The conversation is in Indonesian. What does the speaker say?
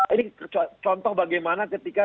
ini contoh bagaimana ketika